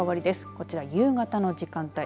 こちら、夕方の時間帯